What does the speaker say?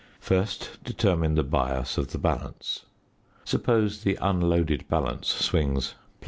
First determine the bias of the balance; suppose the unloaded balance swings +1.